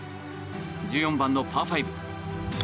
１４番のパー５。